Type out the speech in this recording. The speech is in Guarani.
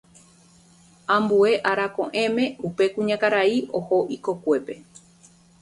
Ambue ára ko'ẽme upe kuñakarai oho ikokuépe.